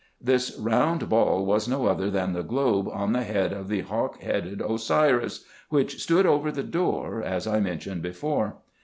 This round ball was no other than the globe on the head of the hawk headed Osiris, which stood over the door, as I mentioned before.